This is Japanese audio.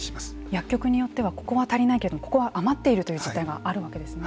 薬局によってはここは足りないけれどもここは余っている行った事態があるわけですね。